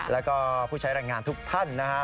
แล้วก็ผู้ใช้แรงงานทุกท่านนะฮะ